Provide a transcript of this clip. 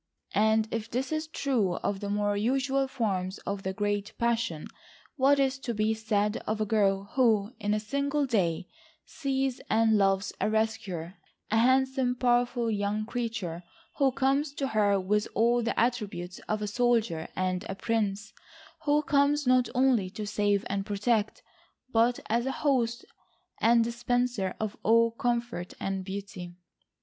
And if this is true of the more usual forms of the great passion, what is to be said of a girl who, in a single day, sees and loves a rescuer, a handsome powerful young creature, who comes to her with all the attributes of a soldier and a prince, who comes not only to save and protect, but as host and dispenser of all comfort and beauty.